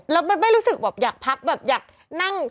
แล้วมันไม่รู้สึกแบบอยากพักแบบอยากนั่ง